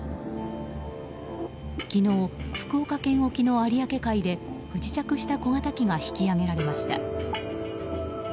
昨日、福岡県沖の有明海で不時着した小型機が引き揚げられました。